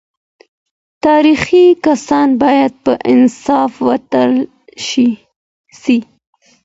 تاريخي کسان بايد په انصاف وتلل سي.